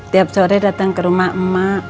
tiap sore datang ke rumah mak